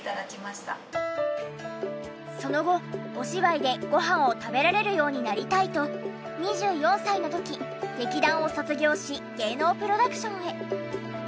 その後お芝居でご飯を食べられるようになりたいと２４歳の時劇団を卒業し芸能プロダクションへ。